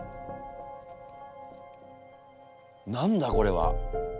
何だこれは？